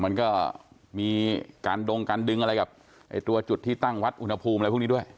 มันก็มีการดงการดึงอะไรกับตัวจุดที่ตั้งวัดอุณหภูมิอะไรพวกนี้ด้วย